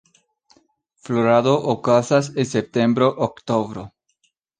Florado okazas en septembro–oktobro.